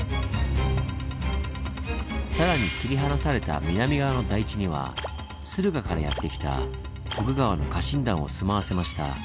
更に切り離された南側の台地には駿河からやって来た徳川の家臣団を住まわせました。